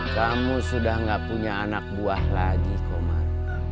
kamu sudah gak punya anak buah lagi komar